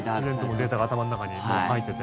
データが頭の中に入ってて。